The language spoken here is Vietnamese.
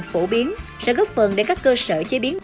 phổ biến sẽ góp phần để các cơ sở chế biến